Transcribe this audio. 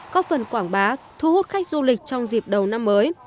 có phần quảng bá thu hút khách du lịch trong dịp đầu năm mới